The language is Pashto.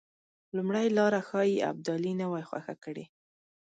لومړۍ لاره ښایي ابدالي نه وای خوښه کړې.